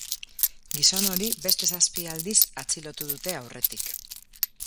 Gizon hori beste zazpi aldiz atxilotu dute aurretik.